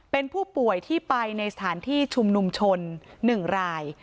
เป็นผู้ป่วยที่ไปในสถานที่ชุมนุมชน๑ราย